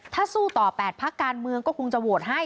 ถ้าสู้ต่อ๘พักการเมืองก็คงจะโหวตให้